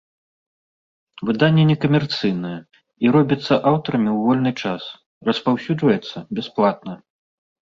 Выданне некамерцыйнае, і робіцца аўтарамі ў вольны час, распаўсюджваецца бясплатна.